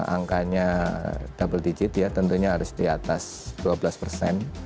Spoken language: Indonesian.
angkanya double digit ya tentunya harus di atas dua belas persen